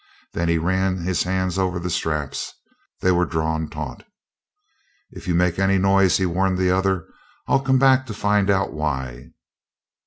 Then he ran his hands over the straps; they were drawn taut. "If you make any noise," he warned the other, "I'll come back to find out why.